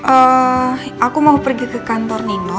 eh aku mau pergi ke kantor nino